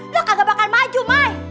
lo kagak bakal maju mai